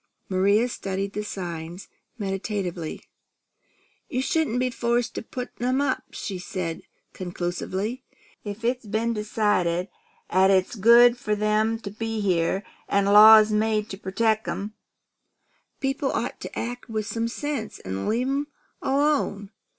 Maria studied the signs meditatively. "You shouldn't be forced to put 'em up," she said conclusively. "If it's been decided 'at it's good for 'em to be here, an' laws made to protect 'em, people ought to act with some sense, an' leave them alone.